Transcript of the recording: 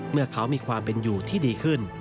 เมื่อเขามีความเป็นอยู่ที่ดีขึ้น